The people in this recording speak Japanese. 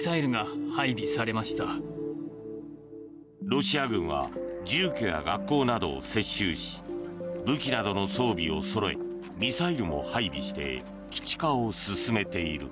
ロシア軍は住居や学校などを接収し武器などの装備をそろえミサイルも配備して基地化を進めている。